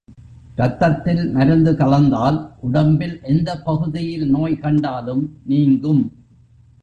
ரத்தத்தில் மருந்து கலந்தால் உடம்பில் எந்தப் பகுதியில் நோய் கண்டாலும் நீங்கும்.